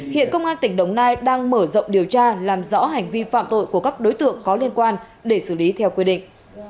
hiện công an tỉnh đồng nai đang mở rộng điều tra làm rõ hành vi phạm tội của các đối tượng có liên quan để xử lý theo quy định